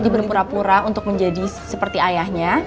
dia berpura pura untuk menjadi seperti ayahnya